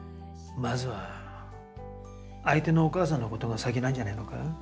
まずは相手のお母さんのことが先なんじゃねえのか？